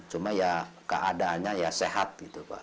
cuma ya keadaannya ya sehat gitu pak